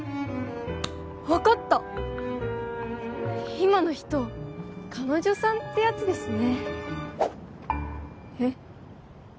分かった今の人彼女さんってやつですねえっ？